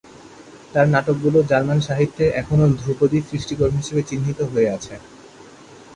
তার নাটকগুলো জার্মান সাহিত্যে এখনও ধ্রুপদী সৃষ্টিকর্ম হিসেবে চিহ্নিত হয়ে আছে।